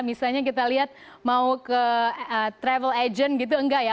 misalnya kita lihat mau ke travel agent gitu enggak ya